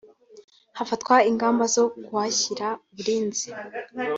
hafatwa ingamba zo kuhashyira uburinzi